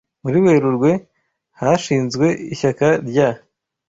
Muri Werurwe, hashinzwe ishyaka rya